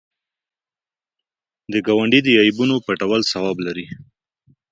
د ګاونډي د عیبونو پټول ثواب لري